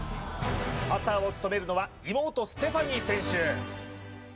パサーを務めるのは妹・ステファニー選手